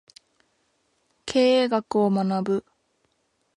経営学を学ぶ